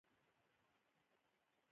په بامیانو کې مو مېلمه يې.